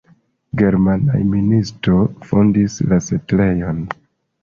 Germanaj ministo fondis la setlejon.